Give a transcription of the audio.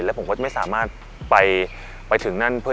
และผมก็จะไม่สามารถไปถึงนั่น